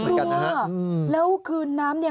นักลัวแล้วคืนน้ำเนี่ย